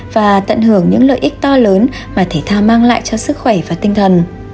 và tận hưởng những lợi ích to lớn mà thể thao mang lại cho sức khỏe và tinh thần